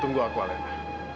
tunggu aku alena